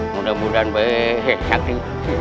mudah mudahan baik baik saja